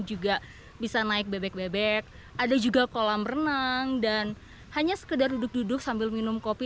juga bisa naik bebek bebek ada juga kolam renang dan hanya sekedar duduk duduk sambil minum kopi